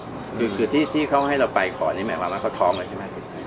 อเจมส์หรือคือที่เขาให้เราไปขอนี่หมายความว่าเขาท้องเลยใช่ไหมครับ